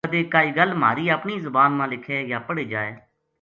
کَدے کائی گل مھاری اپنی زبان ما لکھے یا پڑھے جائے